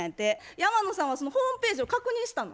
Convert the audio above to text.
山野さんはそのホームページを確認したの？